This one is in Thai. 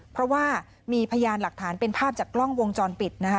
เพราะว่ามีพยานหลักฐานเป็นภาพจากกล้องวงจรปิดนะคะ